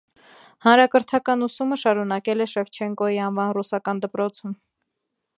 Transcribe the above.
Հանրակրթական ուսումը շարունակել է Շևչենկոյի անվան ռուսական դպրոցում։